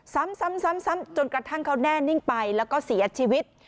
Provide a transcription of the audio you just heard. ซ้ำซ้ำซ้ำซ้ำจนกระทั่งเขาแน่นิ่งไปแล้วก็เสียชีวิต